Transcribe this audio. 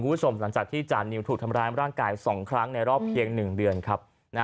คุณผู้ชมหลังจากที่จานนิวถูกทำร้ายร่างกาย๒ครั้งในรอบเพียง๑เดือน